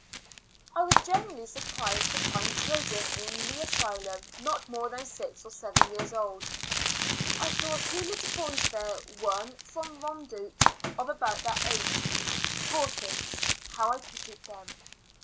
I was greatly surprised to find children in the asylum not more than six or seven 3'ears old. I saw two little boys there, one from Eondout, of about that age. Poor things, how I pitied them.